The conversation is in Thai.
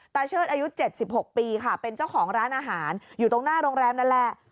เชิดอายุ๗๖ปีค่ะเป็นเจ้าของร้านอาหารอยู่ตรงหน้าโรงแรมนั่นแหละ